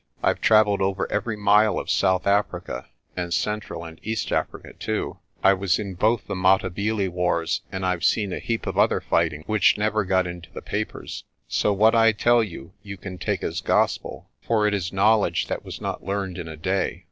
I've travelled over every mile of South Africa, and Central and East Africa too. I Was in both the Matabele wars, and I've seen a heap of other fighting which never got into the papers. So what I tell you you can take as gospel, for it is knowledge that was not learned in a day."